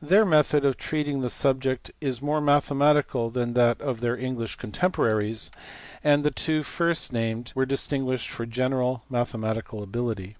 Their method of treating the subject is more mathematical than that of their English contem poraries, and the two first named were distinguished for general mathematical ability.